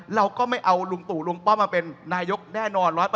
เราก็ไม่เอาลุงตู่ลุงป้อมมาเป็นนายกแน่นอน๑๐